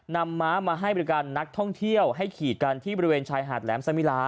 ม้ามาให้บริการนักท่องเที่ยวให้ขีดกันที่บริเวณชายหาดแหลมสมิลา